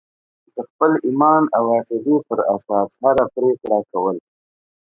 د خپل ایمان او عقیدې پر اساس هره پرېکړه کول.